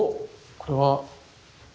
これは？